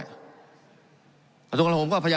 การปรับปรุงทางพื้นฐานสนามบิน